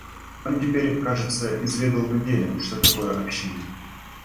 Он теперь, кажется, изведал на деле, что такое община.